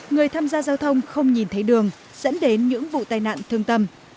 người tham gia giao thông không nhìn thấy đường dẫn đến những vụ tai nạn thương tâm